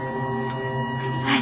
はい。